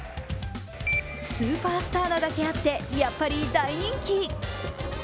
スーパースターなだけあってやっぱり大人気。